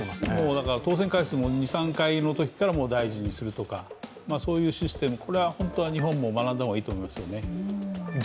だから当選回数も２３回のときから大臣にするとかそういうシステム、これは本当は日本も学んだ方がいいと思います。